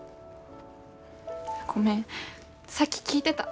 ごめんさっき聞いてた。